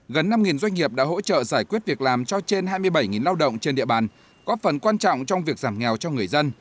gần năm doanh nghiệp đã hỗ trợ giải quyết việc làm cho trên hai mươi bảy lao động trên địa bàn có phần quan trọng trong việc giảm nghèo cho người dân